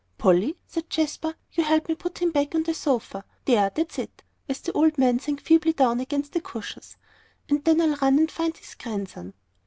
"Polly," said Jasper, "you help me put him back on the sofa; there, that's it," as the old man sank feebly down against the cushions; "and then I'll run and find his grandson."